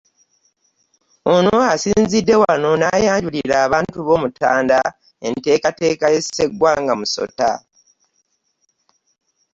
Ono asinzidde wano n'ayanjulira abantu b'omutanda enteekateeka ya Sseggwanga musota